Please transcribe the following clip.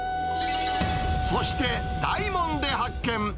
そして、大門で発見。